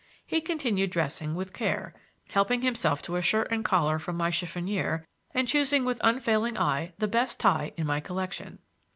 He continued dressing with care, helping himself to a shirt and collar from my chiffonnier and choosing with unfailing eye the best tie in my collection.